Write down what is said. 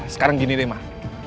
sekarang gini mak